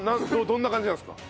どんな感じなんですか？